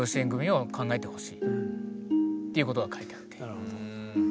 なるほど。